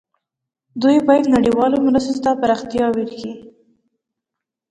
دوی باید نړیوالو مرستو ته پراختیا ورکړي.